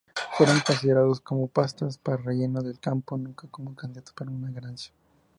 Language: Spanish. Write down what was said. Fueron considerados como pastas para relleno del campo, nunca como candidato para una ganancia.